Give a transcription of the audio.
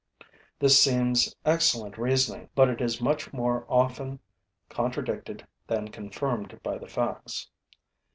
This seems excellent reasoning; but it is much more often contradicted than confirmed by the facts.